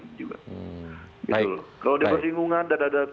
kalau dia bersinggungan